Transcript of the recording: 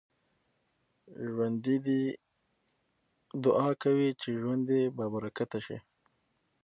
ژوندي دعا کوي چې ژوند يې بابرکته شي